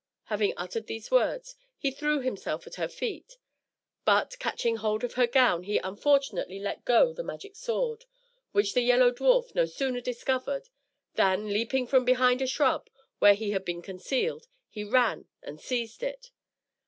Having uttered these words, he threw himself at her feet; but, catching hold of her gown he unfortunately let go the magic sword, which the Yellow Dwarf no sooner discovered, than, leaping from behind a shrub, where he had been concealed, he ran and seized it.